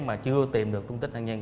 mà chưa tìm được thông tích nạn nhân